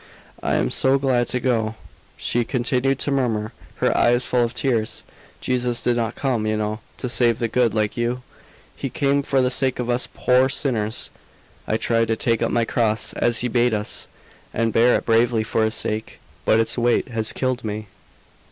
"I am so glad to go," she continued to murmur, her eyes full of tears. "Jesus did not come, you know, to save the good like you; He came for the sake of us poor sinners. I tried to take up my cross, as He bade us, and bear it bravely for His sake; but its weight has killed me."